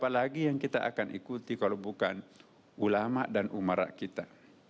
apalagi yang kita akan ikuti kalau bukan ulama dan umara kita